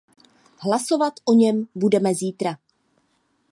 Hlasovat o něm budeme zítra.